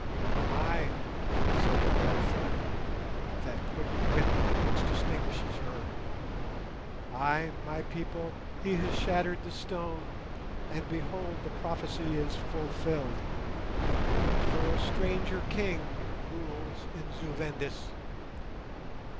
"Ay," said Nyleptha, with that quick wit which distinguishes her. "Ay, my people, he has shattered the stone, and behold the prophecy is fulfilled, for a stranger king rules in Zu Vendis.